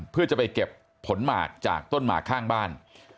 เพื่อจะไปเก็บผลหมากจากต้นหมากข้างบ้าน